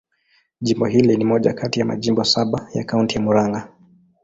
Jimbo hili ni moja kati ya majimbo saba ya Kaunti ya Murang'a.